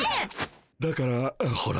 だからほら。